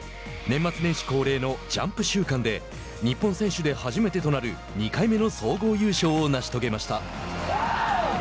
年末年始恒例のジャンプ週間で日本選手で初めてとなる２回目の総合優勝を成し遂げました。